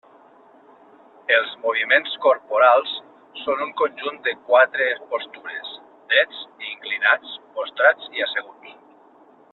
Els moviments corporals són un conjunt de quatre postures: drets, inclinats, postrats i asseguts.